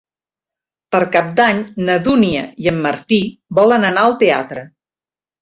Per Cap d'Any na Dúnia i en Martí volen anar al teatre.